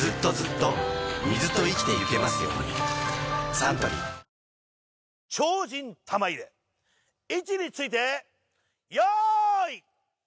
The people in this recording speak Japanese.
サントリー超人玉入れ位置について用意。